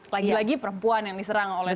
lagi lagi perempuan yang diserang oleh